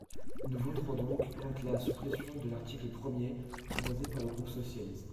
Nous voterons donc contre la suppression de l’article premier proposée par le groupe socialiste.